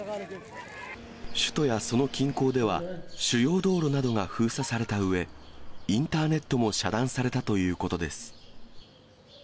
首都やその近郊では、主要道路などが封鎖されたうえ、インターネットも遮断されたということです。